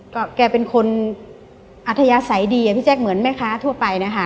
ก็แกเป็นคนอัธยาศัยดีอะพี่แจ๊คเหมือนแม่ค้าทั่วไปนะคะ